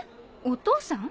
お父さん？